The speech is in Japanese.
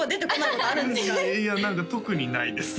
いや何か特にないです